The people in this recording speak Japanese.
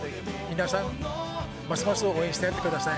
皆さん、ますます応援してやってください。